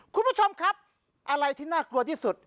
คุณผู้ชมครับอะไรที่น่ากลัวที่สุด